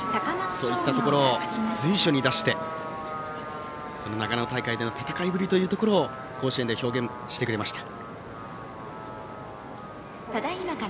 そういったところを随所に出して長野大会での戦いぶりというところを甲子園で表現してくれました。